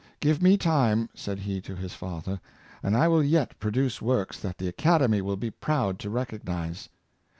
" Give me time," said he to his father, ^' and I will yet produce works that the Academy will be proud to re cognize.